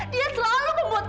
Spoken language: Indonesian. dan anak panggil pembunuh